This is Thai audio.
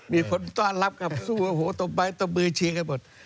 มีคนต้อนรับครับสู้โอ้โหตบใบตบมือเชียร์กันหมด